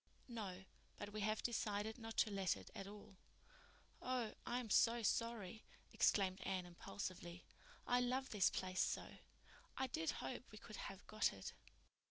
"No, but we have decided not to let it at all." "Oh, I'm so sorry," exclaimed Anne impulsively. "I love this place so. I did hope we could have got it."